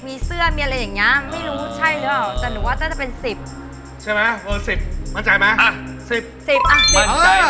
มีเสื้อมีอะไรอย่างเงี้ย